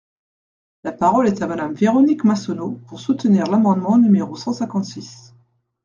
La parole est à Madame Véronique Massonneau, pour soutenir l’amendement numéro cent cinquante-six.